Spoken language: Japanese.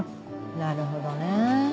なるほどね。